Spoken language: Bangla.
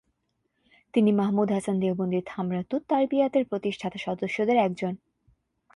তিনি মাহমুদ হাসান দেওবন্দির থামরাতুত-তারবিয়াতের প্রতিষ্ঠাতা সদস্যদের একজন।